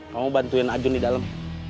kamu bantuin ajun di dalam